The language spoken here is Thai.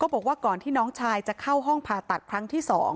บอกว่าก่อนที่น้องชายจะเข้าห้องผ่าตัดครั้งที่๒